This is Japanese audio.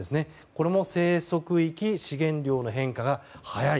これも生息域、資源量の変化が早い。